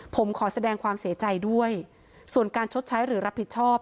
ผมขอแสดงความเสียใจด้วยส่วนการชดใช้หรือรับผิดชอบ